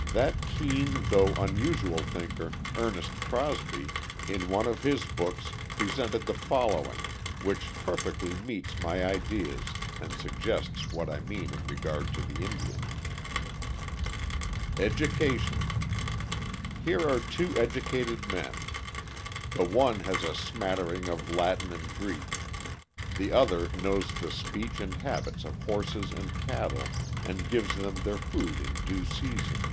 That keen, though unusual thinker, Ernest Crosby, in one of his books, presented the following, which perfectly meets my ideas and suggests what I mean in regard to the Indian: EDUCATION Here are two educated men. The one has a smattering of Latin and Greek; The other knows the speech and habits of horses and cattle, and gives them their food in due season.